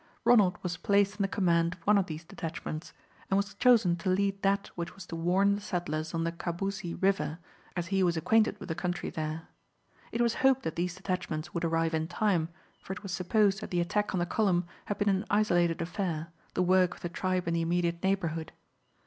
Ronald was placed in the command of one of these detachments, and was chosen to lead that which was to warn the settlers on the Kabousie River, as he was acquainted with the country there. It was hoped that these detachments would arrive in time, for it was supposed that the attack on the column had been an isolated affair, the work of the tribe in the immediate neighbourhood.